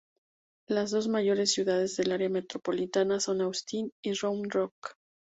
Las dos mayores ciudades del área metropolitana son Austin y Round Rock.